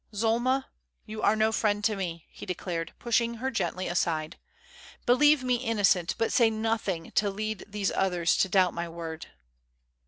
"Zulma, you are no friend to me," he declared, pushing her gently aside. "Believe me innocent, but say nothing to lead these others to doubt my word."